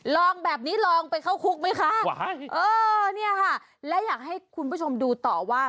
ลองแบบนี้ลองไปเข้าคุกไหมคะเออเนี่ยค่ะและอยากให้คุณผู้ชมดูต่อว่า